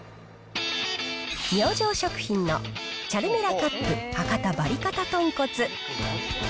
明星食品のチャルメラカップ博多バリカタ豚骨。